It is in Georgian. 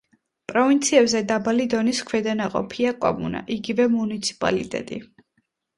პროვინციებზე დაბალი დონის ქვედანაყოფია კომუნა, იგივე მუნიციპალიტეტი.